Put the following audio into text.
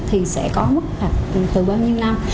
thì sẽ có mức phạt từ ba mươi năm